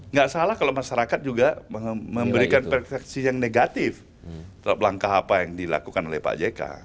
nggak salah kalau masyarakat juga memberikan persepsi yang negatif terhadap langkah apa yang dilakukan oleh pak jk